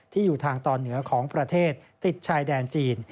อยู่ทางตอนเหนือของประเทศติดชายแดนจีน